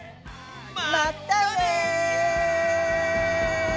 まったね！